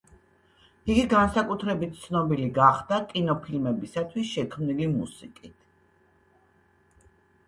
იგი განსაკუთრებით ცნობილი გახდა კინოფილმებისთვის შექმნილი მუსიკით.